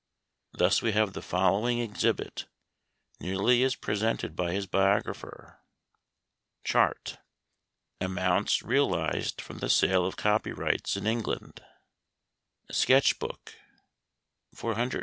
Thus we have the following exhibit, nearly as presented by his biographer : Amounts realized from the sale of Copyrights in England : Sketch Book, £467 10s.